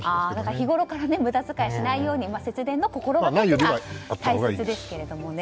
日ごろから無駄遣いしないように節電の心がけは大切ですけどね。